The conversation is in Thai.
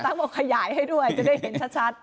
คุณตั๊กบอกขยายให้ด้วยจะได้เห็นชัด